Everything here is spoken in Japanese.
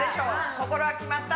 心は決まった？